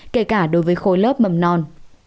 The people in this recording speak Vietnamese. kể cả đối với khối lớp mầm non